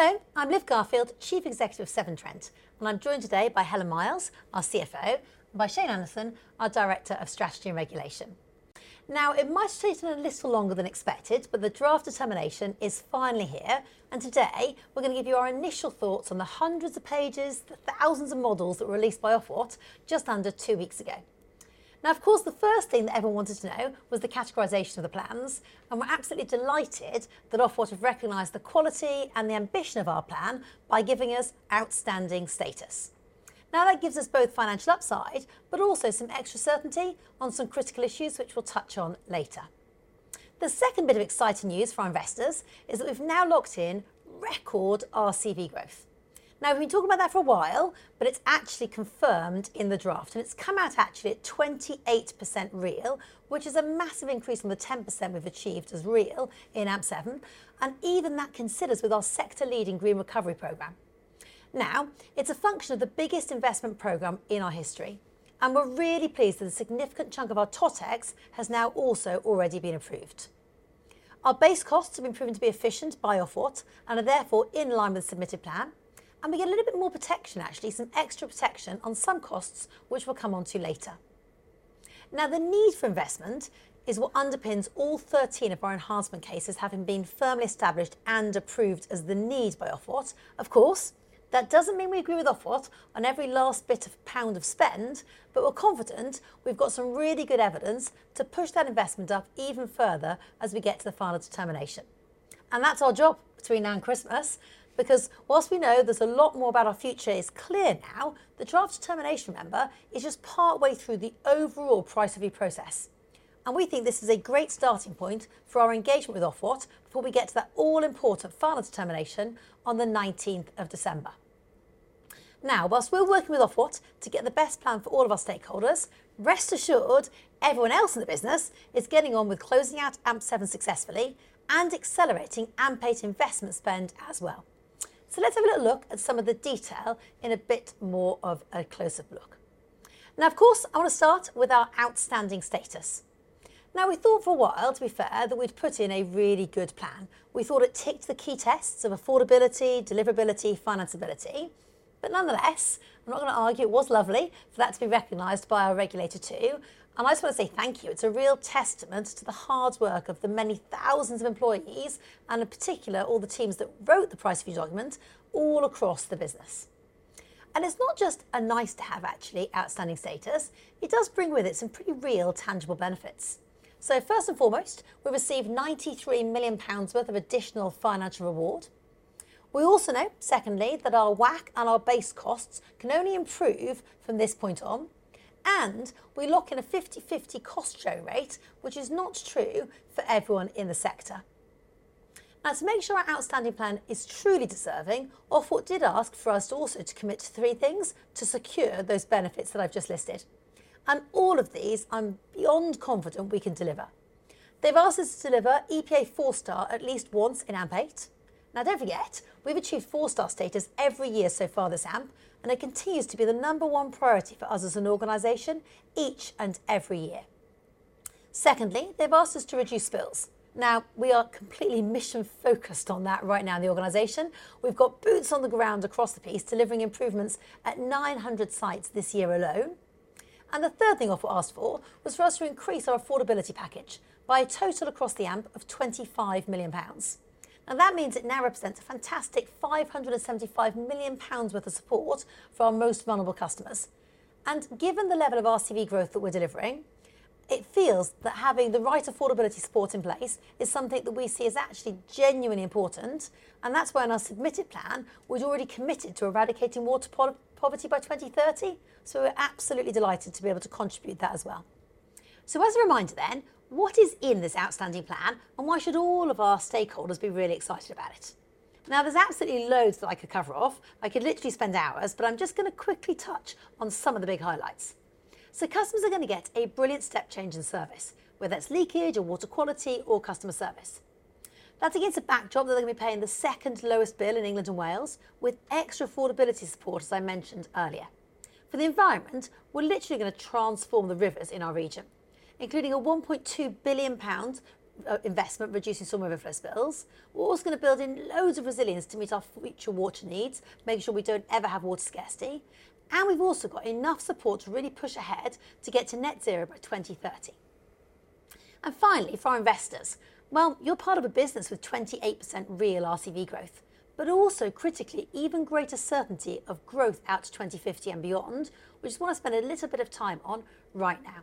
Hello, I'm Liv Garfield, Chief Executive of Severn Trent, and I'm joined today by Helen Miles, our CFO, and by Shane Anderson, our Director of Strategy and Regulation. Now, it might have taken a little longer than expected, but the draft determination is finally here, and today, we're gonna give you our initial thoughts on the hundreds of pages, the thousands of models that were released by Ofwat just under two weeks ago. Now, of course, the first thing that everyone wanted to know was the categorization of the plans, and we're absolutely delighted that Ofwat have recognized the quality and the ambition of our plan by giving us outstanding status. Now, that gives us both financial upside, but also some extra certainty on some critical issues, which we'll touch on later. The second bit of exciting news for our investors is that we've now locked in record RCV growth. Now, we've been talking about that for a while, but it's actually confirmed in the draft, and it's come out actually at 28% real, which is a massive increase from the 10% we've achieved as real in AMP7, and even that considers with our sector-leading green recovery program. Now, it's a function of the biggest investment program in our history, and we're really pleased that a significant chunk of our TOTEX has now also already been approved. Our base costs have been proven to be efficient by Ofwat and are therefore in line with the submitted plan, and we get a little bit more protection, actually, some extra protection on some costs, which we'll come onto later. Now, the need for investment is what underpins all 13 of our enhancement cases, having been firmly established and approved as the need by Ofwat. Of course, that doesn't mean we agree with Ofwat on every last pound of spend, but we're confident we've got some really good evidence to push that investment up even further as we get to the final determination. And that's our job between now and Christmas, because whilst we know there's a lot more about our future is clear now, the draft determination, remember, is just partway through the overall price review process. And we think this is a great starting point for our engagement with Ofwat before we get to that all-important final determination on the 19th December. Now, whilst we're working with Ofwat to get the best plan for all of our stakeholders, rest assured, everyone else in the business is getting on with closing out AMP7 successfully and accelerating AMP8 investment spend as well. So let's have a little look at some of the detail in a bit more of a close-up look. Now, of course, I want to start with our outstanding status. Now, we thought for a while, to be fair, that we'd put in a really good plan. We thought it ticked the key tests of affordability, deliverability, financeability. But nonetheless, we're not gonna argue it was lovely for that to be recognized by our regulator, too. And I just wanna say thank you. It's a real testament to the hard work of the many thousands of employees, and in particular, all the teams that wrote the price review document all across the business. And it's not just a nice to have, actually, outstanding status, it does bring with it some pretty real, tangible benefits. So first and foremost, we've received 93 million pounds worth of additional financial reward. We also know, secondly, that our WACC and our base costs can only improve from this point on, and we lock in a 50/50 cost-sharing rate, which is not true for everyone in the sector. Now, to make sure our outstanding plan is truly deserving, Ofwat did ask for us to also commit to three things to secure those benefits that I've just listed. And all of these, I'm beyond confident we can deliver. They've asked us to deliver EPA 4-star at least once in AMP8. Now, don't forget, we've achieved 4-star status every year so far this AMP, and it continues to be the number one priority for us as an organization each and every year. Secondly, they've asked us to reduce spills. Now, we are completely mission-focused on that right now in the organization. We've got boots on the ground across the piece, delivering improvements at 900 sites this year alone. The third thing Ofwat asked for was for us to increase our affordability package by a total across the AMP of 25 million pounds. Now, that means it now represents a fantastic 575 million pounds worth of support for our most vulnerable customers. Given the level of RCV growth that we're delivering, it feels that having the right affordability support in place is something that we see as actually genuinely important, and that's why in our submitted plan, we'd already committed to eradicating water poverty by 2030. So we're absolutely delighted to be able to contribute that as well. So as a reminder then, what is in this outstanding plan, and why should all of our stakeholders be really excited about it? Now, there's absolutely loads that I could cover off. I could literally spend hours, but I'm just gonna quickly touch on some of the big highlights. So customers are gonna get a brilliant step change in service, whether it's leakage or water quality or customer service. That's against a backdrop they're gonna be paying the second lowest bill in England and Wales, with extra affordability support, as I mentioned earlier. For the environment, we're literally gonna transform the rivers in our region, including a 1.2 billion pounds investment, reducing some of river spills. We're also gonna build in loads of resilience to meet our future water needs, make sure we don't ever have water scarcity, and we've also got enough support to really push ahead to get to Net Zero by 2030. Finally, for our investors, well, you're part of a business with 28% real RCV growth, but also, critically, even greater certainty of growth out to 2050 and beyond, which I want to spend a little bit of time on right now.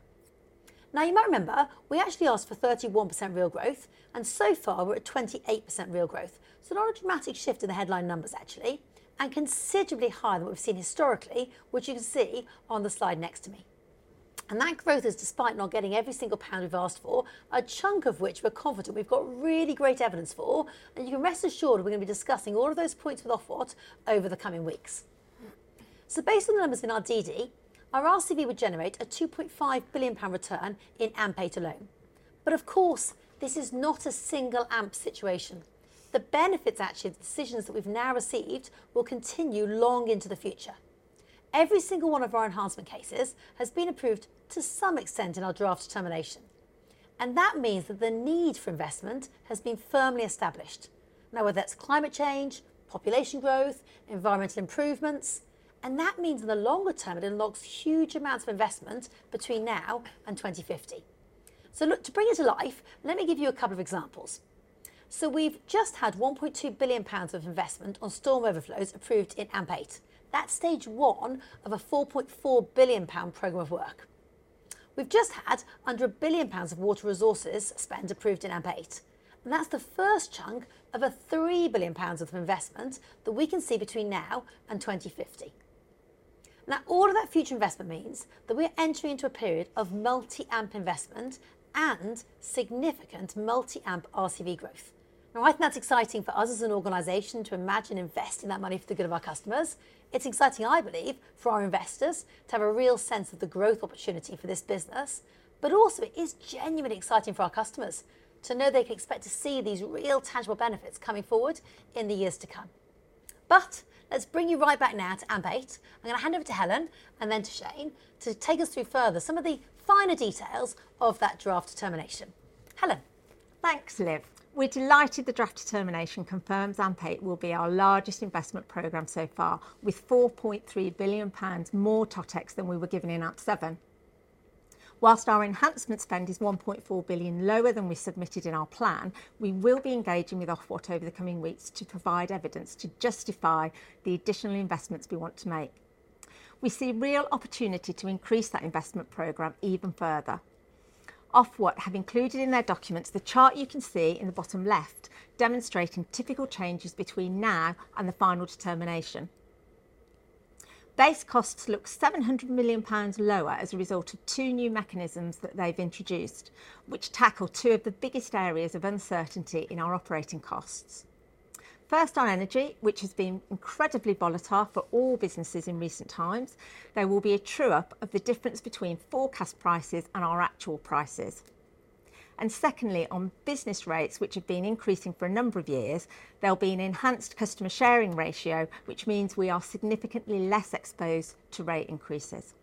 Now, you might remember we actually asked for 31% real growth, and so far, we're at 28% real growth. So not a dramatic shift in the headline numbers, actually, and considerably higher than what we've seen historically, which you can see on the slide next to me. That growth is despite not getting every single pound we've asked for, a chunk of which we're confident we've got really great evidence for, and you can rest assured we're gonna be discussing all of those points with Ofwat over the coming weeks. So based on the numbers in our DD, our RCV would generate a 2.5 billion pound return in AMP8 alone. But of course, this is not a single AMP situation. The benefits, actually, of the decisions that we've now received will continue long into the future. Every single one of our enhancement cases has been approved to some extent in our draft determination, and that means that the need for investment has been firmly established. Now, whether that's climate change, population growth, environmental improvements, and that means in the longer term, it unlocks huge amounts of investment between now and 2050. So look, to bring it to life, let me give you a couple of examples. So we've just had 1.2 billion pounds of investment on storm overflows approved in AMP8. That's stage one of a 4.4 billion pound program of work. We've just had under 1 billion pounds of water resources spend approved in AMP8, and that's the first chunk of a 3 billion pounds of investment that we can see between now and 2050. Now, all of that future investment means that we're entering into a period of multi-AMP investment and significant multi-AMP RCV growth. Now, I think that's exciting for us as an organization to imagine investing that money for the good of our customers. It's exciting, I believe, for our investors to have a real sense of the growth opportunity for this business. But also, it is genuinely exciting for our customers to know they can expect to see these real, tangible benefits coming forward in the years to come. But let's bring you right back now to AMP8. I'm gonna hand over to Helen and then to Shane to take us through further some of the finer details of that draft determination. Helen? Thanks, Liv. We're delighted the draft determination confirms AMP8 will be our largest investment program so far, with 4.3 billion pounds more TOTEX than we were given in AMP7. While our enhancement spend is 1.4 billion lower than we submitted in our plan, we will be engaging with Ofwat over the coming weeks to provide evidence to justify the additional investments we want to make. We see real opportunity to increase that investment program even further. Ofwat have included in their documents the chart you can see in the bottom left, demonstrating typical changes between now and the final determination. Base costs look 700 million pounds lower as a result of two new mechanisms that they've introduced, which tackle two of the biggest areas of uncertainty in our operating costs. First, on energy, which has been incredibly volatile for all businesses in recent times, there will be a true-up of the difference between forecast prices and our actual prices. And secondly, on business rates, which have been increasing for a number of years, there'll be an enhanced customer sharing ratio, which means we are significantly less exposed to rate increases.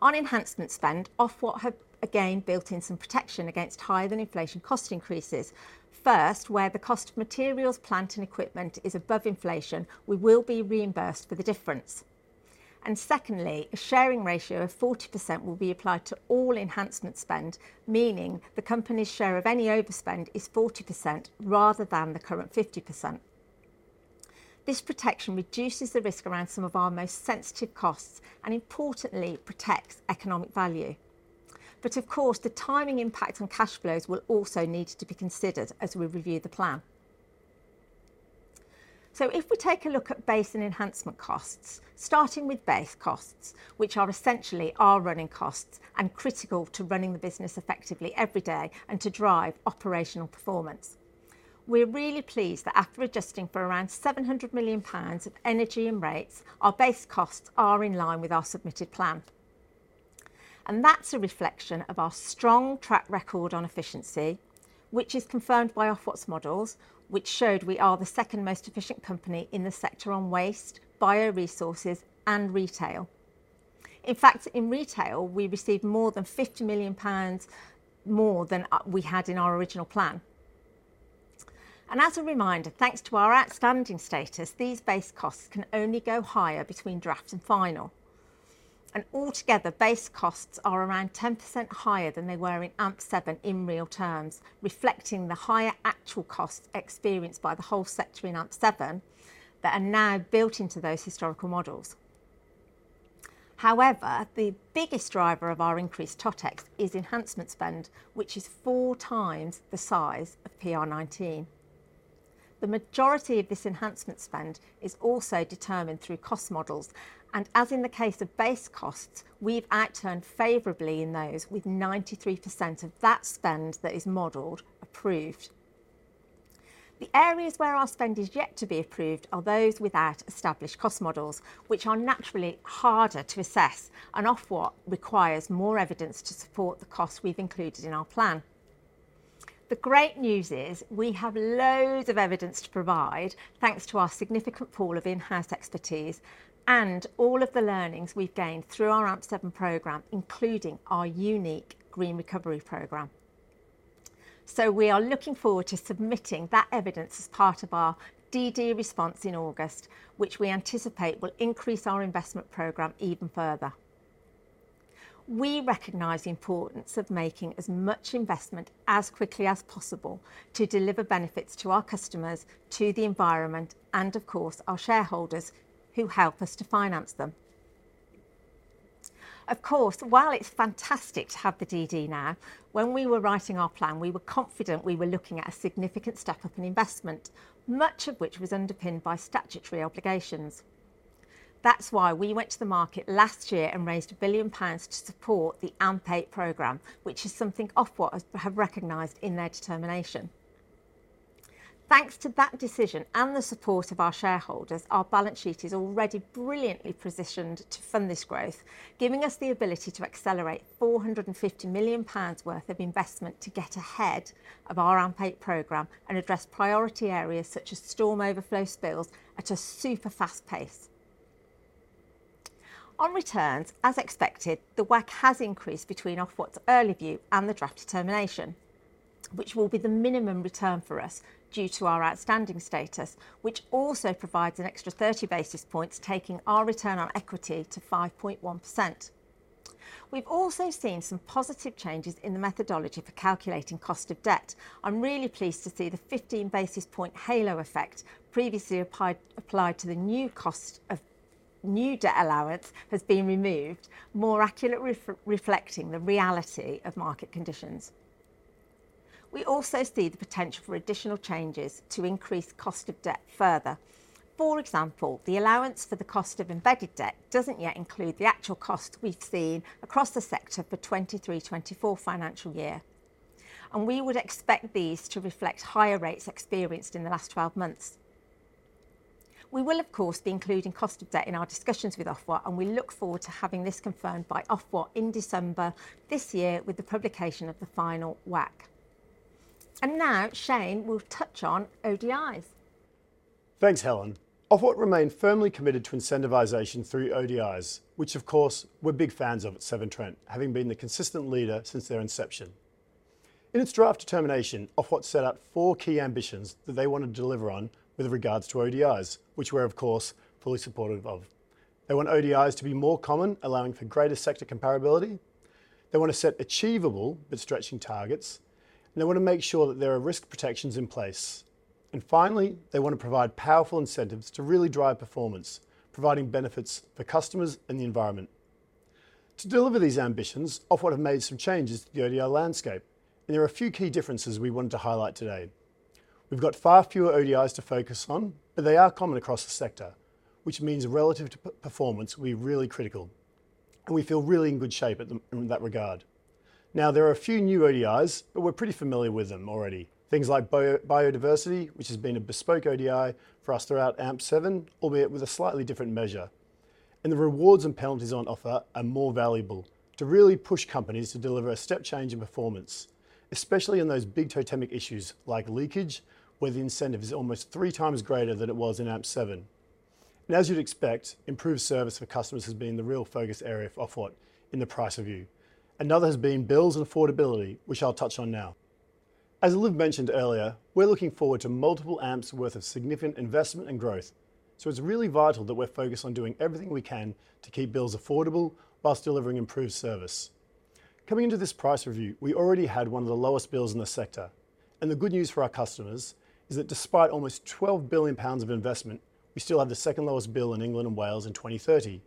On enhancement spend, Ofwat have again built in some protection against higher-than-inflation cost increases. First, where the cost of materials, plant, and equipment is above inflation, we will be reimbursed for the difference. And secondly, a sharing ratio of 40% will be applied to all enhancement spend, meaning the company's share of any overspend is 40%, rather than the current 50%. This protection reduces the risk around some of our most sensitive costs and importantly, protects economic value. But of course, the timing impact on cash flows will also need to be considered as we review the plan. So if we take a look at base and enhancement costs, starting with base costs, which are essentially our running costs and critical to running the business effectively every day and to drive operational performance. We're really pleased that after adjusting for around 700 million pounds of energy and rates, our base costs are in line with our submitted plan, and that's a reflection of our strong track record on efficiency, which is confirmed by Ofwat's models, which showed we are the second-most efficient company in the sector on waste, bioresources, and retail. In fact, in retail, we received more than 50 million pounds more than we had in our original plan. As a reminder, thanks to our outstanding status, these base costs can only go higher between draft and final. Altogether, base costs are around 10% higher than they were in AMP7 in real terms, reflecting the higher actual costs experienced by the whole sector in AMP7 that are now built into those historical models. However, the biggest driver of our increased TOTEX is enhancement spend, which is four times the size of PR19. The majority of this enhancement spend is also determined through cost models, and as in the case of base costs, we've outturned favorably in those, with 93% of that spend that is modeled approved. The areas where our spend is yet to be approved are those without established cost models, which are naturally harder to assess, and Ofwat requires more evidence to support the costs we've included in our plan. The great news is we have loads of evidence to provide, thanks to our significant pool of in-house expertise and all of the learnings we've gained through our AMP7 program, including our unique green recovery program. We are looking forward to submitting that evidence as part of our DD response in August, which we anticipate will increase our investment program even further. We recognize the importance of making as much investment as quickly as possible to deliver benefits to our customers, to the environment, and of course, our shareholders, who help us to finance them. Of course, while it's fantastic to have the DD now, when we were writing our plan, we were confident we were looking at a significant step-up in investment, much of which was underpinned by statutory obligations. That's why we went to the market last year and raised 1 billion pounds to support the AMP8 program, which is something Ofwat has, have recognized in their determination. Thanks to that decision and the support of our shareholders, our balance sheet is already brilliantly positioned to fund this growth, giving us the ability to accelerate 450 million pounds worth of investment to get ahead of our AMP8 program and address priority areas such as storm overflow spills at a super fast pace. ...On returns, as expected, the WACC has increased between Ofwat's early view and the draft determination, which will be the minimum return for us due to our outstanding status, which also provides an extra 30 basis points, taking our return on equity to 5.1%. We've also seen some positive changes in the methodology for calculating cost of debt. I'm really pleased to see the 15 basis point halo effect previously applied to the new cost of new debt allowance has been removed, more accurately reflecting the reality of market conditions. We also see the potential for additional changes to increase cost of debt further. For example, the allowance for the cost of embedded debt doesn't yet include the actual cost we've seen across the sector for 2023/2024 financial year, and we would expect these to reflect higher rates experienced in the last 12 months. We will, of course, be including cost of debt in our discussions with Ofwat, and we look forward to having this confirmed by Ofwat in December this year with the publication of the final WACC. And now Shane will touch on ODIs. Thanks, Helen. Ofwat remain firmly committed to incentivization through ODIs, which of course, we're big fans of at Severn Trent, having been the consistent leader since their inception. In its draft determination, Ofwat set out four key ambitions that they wanted to deliver on with regards to ODIs, which we're, of course, fully supportive of. They want ODIs to be more common, allowing for greater sector comparability. They want to set achievable but stretching targets. They want to make sure that there are risk protections in place. Finally, they want to provide powerful incentives to really drive performance, providing benefits for customers and the environment. To deliver these ambitions, Ofwat have made some changes to the ODI landscape, and there are a few key differences we wanted to highlight today. We've got far fewer ODIs to focus on, but they are common across the sector, which means relative performance will be really critical, and we feel really in good shape in that regard. Now, there are a few new ODIs, but we're pretty familiar with them already. Things like biodiversity, which has been a bespoke ODI for us throughout AMP7, albeit with a slightly different measure. And the rewards and penalties on offer are more valuable to really push companies to deliver a step change in performance, especially on those big totemic issues like leakage, where the incentive is almost three times greater than it was in AMP7. And as you'd expect, improved service for customers has been the real focus area for Ofwat in the price review. Another has been bills and affordability, which I'll touch on now. As Liv mentioned earlier, we're looking forward to multiple AMPs worth of significant investment and growth, so it's really vital that we're focused on doing everything we can to keep bills affordable whilst delivering improved service. Coming into this price review, we already had one of the lowest bills in the sector, and the good news for our customers is that despite almost 12 billion pounds of investment, we still have the second lowest bill in England and Wales in 2030.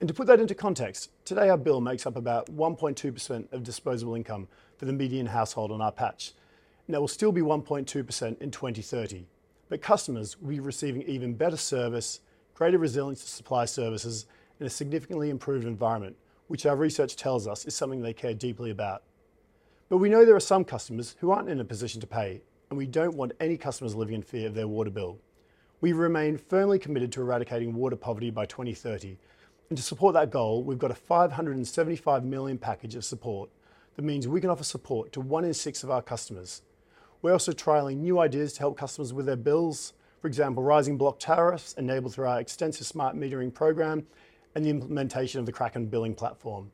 And to put that into context, today, our bill makes up about 1.2% of disposable income for the median household on our patch, and it will still be 1.2% in 2030. But customers will be receiving even better service, greater resilience to supply services in a significantly improved environment, which our research tells us is something they care deeply about. We know there are some customers who aren't in a position to pay, and we don't want any customers living in fear of their water bill. We remain firmly committed to eradicating water poverty by 2030, and to support that goal, we've got a 575 million package of support. That means we can offer support to one in six of our customers. We're also trialing new ideas to help customers with their bills. For example, rising block tariffs enabled through our extensive smart metering program and the implementation of the Kraken billing platform.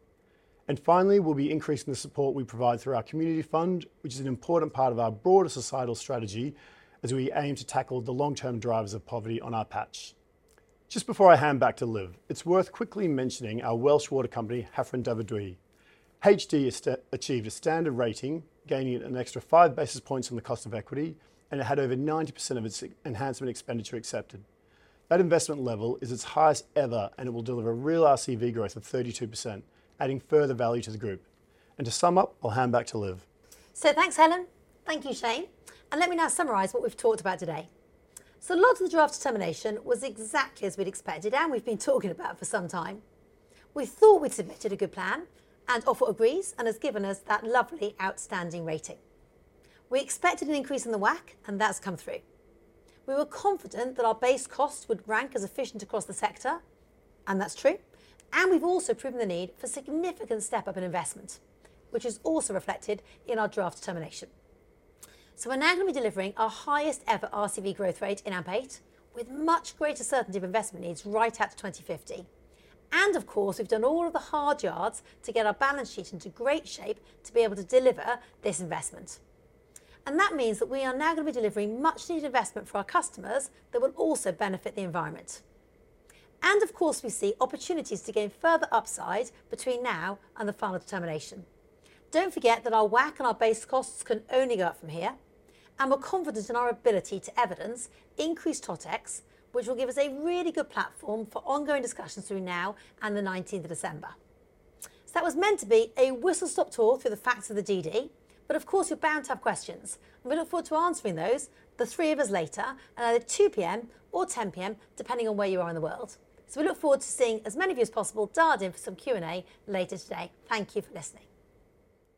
Finally, we'll be increasing the support we provide through our community fund, which is an important part of our broader societal strategy as we aim to tackle the long-term drivers of poverty on our patch. Just before I hand back to Liv, it's worth quickly mentioning our Welsh water company, Hafren Dyfrdwy. HD has achieved a standard rating, gaining an extra five basis points on the cost of equity, and it had over 90% of its enhancement expenditure accepted. That investment level is its highest ever, and it will deliver a real RCV growth of 32%, adding further value to the group. To sum up, I'll hand back to Liv. So thanks, Helen. Thank you, Shane. And let me now summarize what we've talked about today. So a lot of the draft determination was exactly as we'd expected and we've been talking about for some time. We thought we submitted a good plan, and Ofwat agrees and has given us that lovely outstanding rating. We expected an increase in the WACC, and that's come through. We were confident that our base costs would rank as efficient across the sector, and that's true, and we've also proven the need for significant step-up in investment, which is also reflected in our draft determination. So we're now going to be delivering our highest ever RCV growth rate in AMP8, with much greater certainty of investment needs right out to 2050. Of course, we've done all of the hard yards to get our balance sheet into great shape to be able to deliver this investment. That means that we are now going to be delivering much needed investment for our customers that will also benefit the environment. Of course, we see opportunities to gain further upside between now and the final determination. Don't forget that our WACC and our base costs can only go up from here, and we're confident in our ability to evidence increased TOTEX, which will give us a really good platform for ongoing discussions through now and the nineteenth of December. That was meant to be a whistle-stop tour through the facts of the DD, but of course, you're bound to have questions. We look forward to answering those, the three of us later, at either 2:00 P.M. or 10:00 P.M., depending on where you are in the world. So we look forward to seeing as many of you as possible dialed in for some Q&A later today. Thank you for listening.